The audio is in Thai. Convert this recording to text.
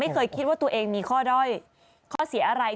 เคยคิดว่าตัวเองมีข้อด้อยข้อเสียอะไร